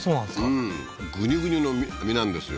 うんグニュグニュの実なんですよ